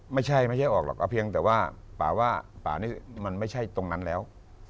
ไม่ใช่ไม่ใช่ออกหรอกเอาเพียงแต่ว่าป่าว่าป่านี่มันไม่ใช่ตรงนั้นแล้ว